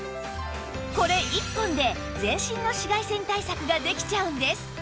これ１本で全身の紫外線対策ができちゃうんです